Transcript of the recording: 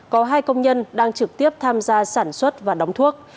có hai công nhân đang trực tiếp tham gia sản xuất và đóng thuốc